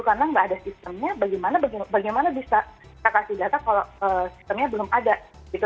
karena tidak ada sistemnya bagaimana bisa kita kasih data kalau sistemnya belum ada